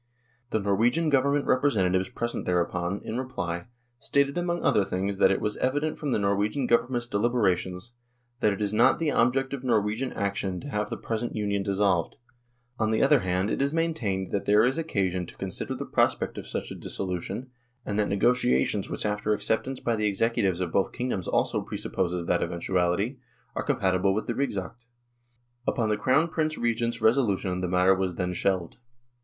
The Norwegian Government representatives present thereupon, in reply, stated among other things that it was evident from the Norwegian Government's deliberations " that it is not the object of Norwegian action to have the present Union dissolved. On the other 93 hand it is maintained that there is occasion to con sider the prospect of such a dissolution, and that negotiations which after acceptance by the executives of both kingdoms also presupposes that eventuality, are compatible with the ' Rigsakt.' " Upon the Crown Prince Regent's resolution the matter was then shelved.